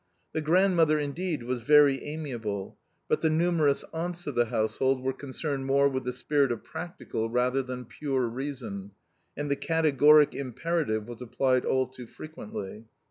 The grandmother, indeed, was very amiable, but the numerous aunts of the household were concerned more with the spirit of practical rather than pure reason, and the categoric imperative was applied all too frequently.